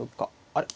あれ？